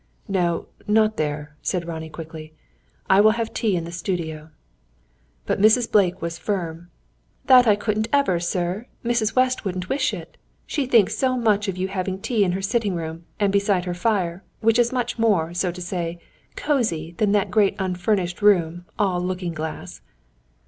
"No, not there," said Ronnie quickly. "I will have tea in the studio." But Mrs. Blake was firm. "That I couldn't ever, sir! Mrs. West wouldn't wish it. She thinks so much of you having tea in her sitting room, and beside her fire; which is much more, so to say, cosy than that great unfurnished room, all looking glass."